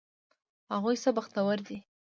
هغوی څه بختور دي!